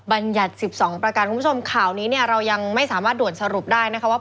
บรรยัติ๑๒ประการคุณผู้ชมข่าวนี้เนี่ยเรายังไม่สามารถด่วนสรุปได้นะคะว่า